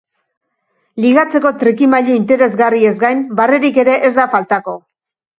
Ligatzeko trikimailu interesgarriez gain, barrerik ere ez da faltako.